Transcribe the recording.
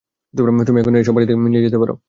তুমি এখনই এসব বাড়িতে নিয়ে যেতে পারো।